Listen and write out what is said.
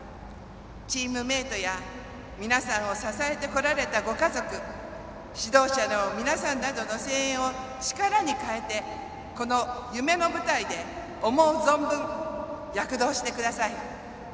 チームメートや皆さんを支えてこられたご家族指導者の皆さんなどの声援を力に変えてこの夢の舞台で、思う存分躍動してください。